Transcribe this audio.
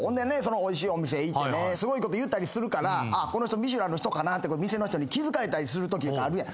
おいしいお店行ってねすごいこと言ったりするからこの人『ミシュラン』の人かなって店の人に気付かれたりするときがあるやん。